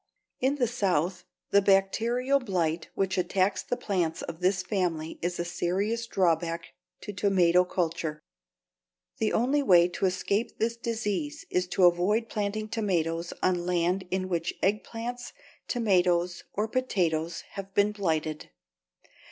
In the South the bacterial blight which attacks the plants of this family is a serious drawback to tomato culture. The only way to escape this disease is to avoid planting tomatoes on land in which eggplants, tomatoes, or potatoes have been blighted.